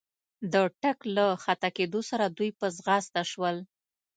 د ټک له خطا کېدو سره دوی په ځغستا شول.